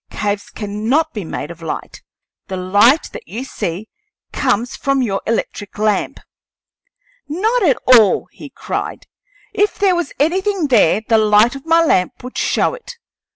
"Caves cannot be made of light; the light that you see comes from your electric lamp." "Not at all!" he cried. "If there was anything there, the light of my lamp would show it.